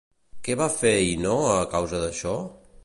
Què va fer Ino, a causa d'això?